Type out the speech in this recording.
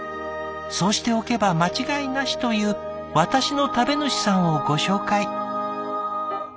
そうしておけば間違いなしという私の食べ主さんをご紹介。